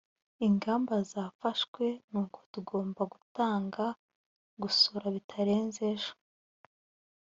ingamba zafashwe nuko tugomba gutanga gusora bitarenze ejo